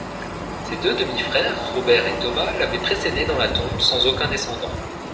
Ses deux demi-frères, Robert et Thomas, l'avaient précédé dans la tombe, sans aucun descendant.